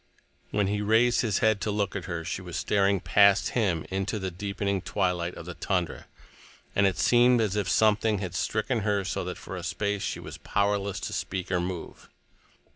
When he raised his head to look at her, she was staring past him into the deepening twilight of the tundra, and it seemed as if something had stricken her so that for a space she was powerless to speak or move.